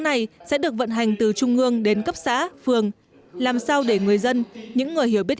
này sẽ được vận hành từ trung ương đến cấp xã phường làm sao để người dân những người hiểu biết